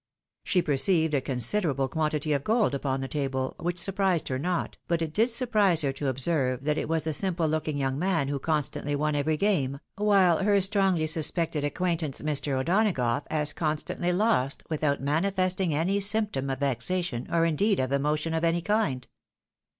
She perceived a considerable quantity of gold upon the table, which surprised her not, but it did surprise her to observe that it was the simple looking young man who constantly won every game, while her strongly suspected acquaintance, Mr. O'Donagough as constantly lost without manifesting any symptom of vexation, or indeed of emotion of any kind.